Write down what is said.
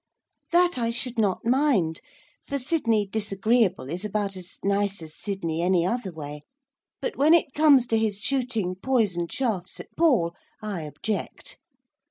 That I should not mind, for Sydney disagreeable is about as nice as Sydney any other way; but when it comes to his shooting poisoned shafts at Paul, I object.